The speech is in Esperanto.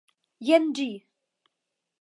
Jen ĝi!